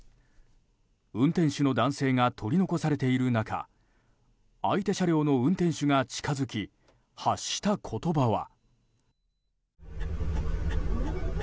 運転手の男性が取り残されている中相手車両の運転手が近づき発した言葉は。